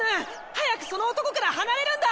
早くその男から離れるんだ！